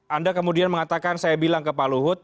anda kemudian mengatakan saya bilang ke pak luhut